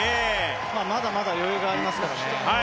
まだまだ余裕がありますからね